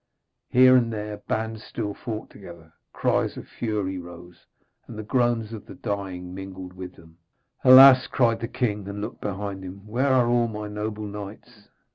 Here and there bands still fought together, cries of fury rose, and the groans of the dying mingled with them. 'Alas!' cried the king, and looked behind him, 'where are all my noble knights?'